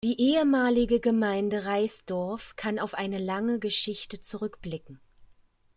Die ehemalige Gemeinde Raisdorf kann auf eine lange Geschichte zurückblicken.